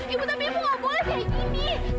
ibu tapi ibu enggak boleh kayak gini